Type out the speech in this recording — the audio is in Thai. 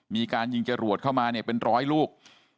มีการยิงจรวดเข้ามาเนี่ยเป็นร้อยลูก